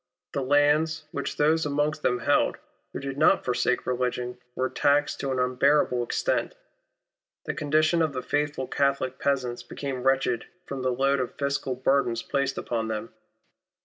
The lands which those amongst them held, who did not forsake religion, were taxed to an un bearable extent. The condition of the faithful Catholic peasants became wretched from the load of fiscal burdens placed upon THE WAR PARTY UNDER TALMERSTON. 100 them.